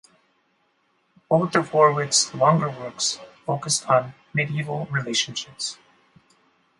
Both of Warwick’s longer works focused on mediaeval relationships.